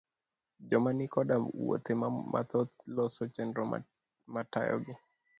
Joma ni koda wuothe mathoth, loso chenro matayogi